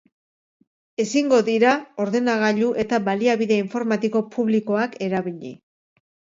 Ezingo dira ordenagailu eta baliabide informatiko publikoak erabili.